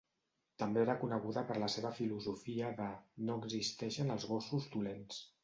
També era coneguda per la seva filosofia de "no existeixen els gossos dolents".